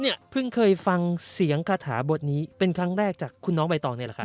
เนี่ยเพิ่งเคยฟังเสียงคาถาบทนี้เป็นครั้งแรกจากคุณน้องใบตองนี่แหละครับ